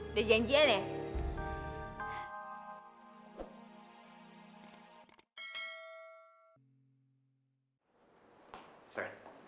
udah janjian ya